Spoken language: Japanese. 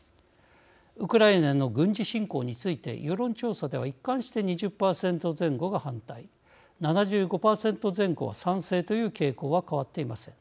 ウクライナへの軍事侵攻について世論調査では、一貫して２０％前後が反対７５％前後は賛成という傾向は変わっていません。